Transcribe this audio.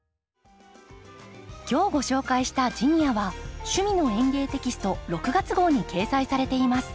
今日ご紹介した「ジニア」は「趣味の園芸」テキスト６月号に掲載されています。